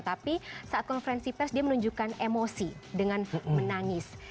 tapi saat konferensi pers dia menunjukkan emosi dengan menangis